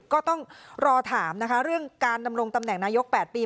ก็ต้องรอถามนะคะเรื่องการดำรงตำแหน่งนายก๘ปี